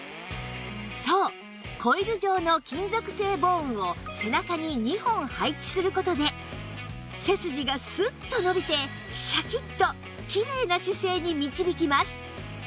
そうコイル状の金属製ボーンを背中に２本配置する事で背筋がスッと伸びてシャキッとキレイな姿勢に導きます